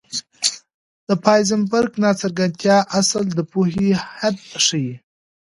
د هایزنبرګ ناڅرګندتیا اصل د پوهې حد ښيي.